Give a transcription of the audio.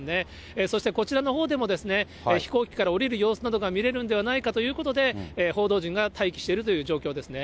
そして、こちらのほうでも飛行機から降りる様子などが見れるのではないかということで、報道陣が待機しているという状況ですね。